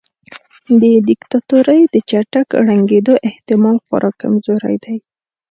د دیکتاتورۍ د چټک ړنګیدو احتمال خورا کمزوری دی.